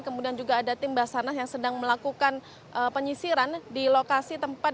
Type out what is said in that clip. kemudian juga ada tim basarnas yang sedang melakukan penyisiran di lokasi tempat